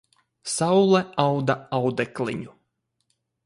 Saule auda audekliņu